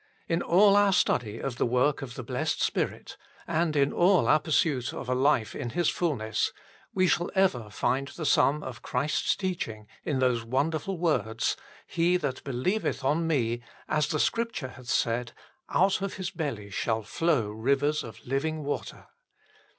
In all our study of the work of the blessed Spirit, and in all our pursuit of a life in His fulness, we shall ever find the sum of Christ s teaching in those wonderful words :" He that believeth on Me, as the Scripture hath said, out of his belly shall flow rivers of living water."